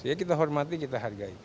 ya kita hormati kita hargai